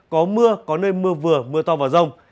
có mưa có nơi mưa vừa mưa to và rông